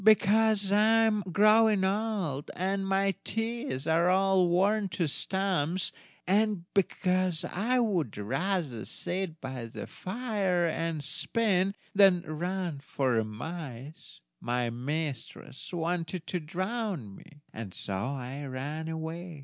"Because I am growing old, and my teeth are all worn to stumps, and because I would rather sit by the fire and spin, than run after mice, my mistress wanted to drown me; and so I ran away.